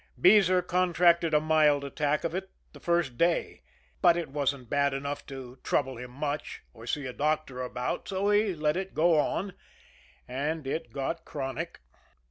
Beezer contracted a mild attack of it the first day, but it wasn't bad enough to trouble him much, or see a doctor about, so he let it go on and it got chronic.